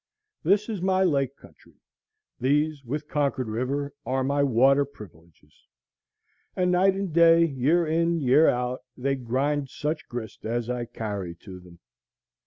This is my lake country. These, with Concord River, are my water privileges; and night and day, year in year out, they grind such grist as I carry to them.